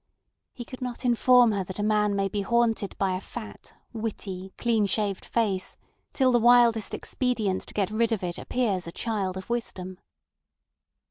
He could not inform her that a man may be haunted by a fat, witty, clean shaved face till the wildest expedient to get rid of it appears a child of wisdom.